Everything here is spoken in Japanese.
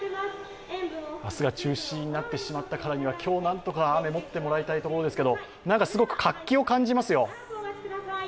明日が中止になってしまったからには今日、何とか雨、もってもらいたいところですけれどもすごく現場の活気を感じますよ。